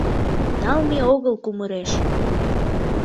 Налме огыл кумыреш.